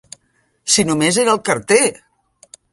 Si només era el carter!